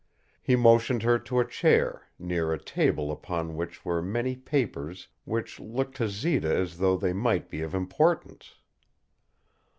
He motioned her to a chair, near a table upon which were many papers which looked to Zita as though they might be of importance.